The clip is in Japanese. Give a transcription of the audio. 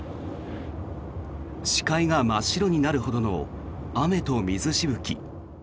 視界が真っ白になるほどの雨と水しぶき。